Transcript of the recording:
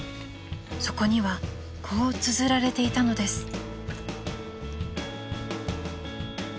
［そこにはこうつづられていたのです］